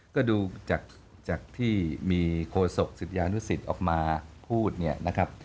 ก็ดูจากที่มีโคศกศิษยานุสิตออกมาพูดเนี่ยนะครับ